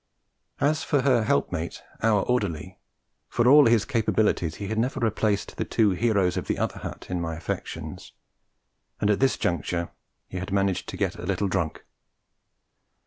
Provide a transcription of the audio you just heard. As for her helpmate, our orderly, for all his capabilities he had never replaced the two heroes of the other hut in my affections; and at this juncture he had managed to get a little drunk.